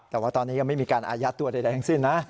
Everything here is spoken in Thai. แต่ว่าตอนนี้ยังไม่มีการอายัดตัวใดทั้งสิ้นนะ